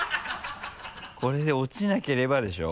これで落ちなければでしょ？